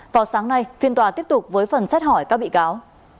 vào sáng nay phiên tòa tiếp tục với phần xét hỏi các bị cáo